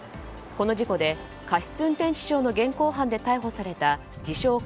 この事故で、過失運転致傷の現行犯で逮捕された自称